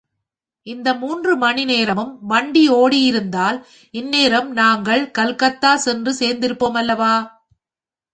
இந்த மூன்று மணி நேரமும் வண்டி ஓடியிருந்தால் இன்னேரம் நாங்கள் கல்கத்தா சென்று சேர்ந்திருப்போம் அல்லவா?